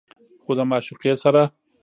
خو د معشوقې سره